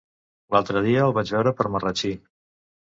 L'altre dia el vaig veure per Marratxí.